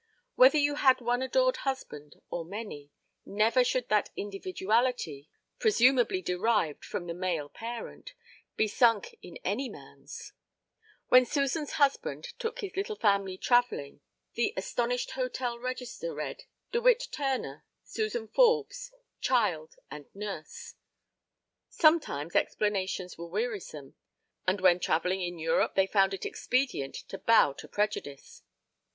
Whether you had one adored husband or many, never should that individuality (presumably derived from the male parent) be sunk in any man's. When Suzan's husband took his little family travelling the astonished hotel register read: De Witt Turner, Suzan Forbes, child and nurse. Sometimes explanations were wearisome; and when travelling in Europe they found it expedient to bow to prejudice.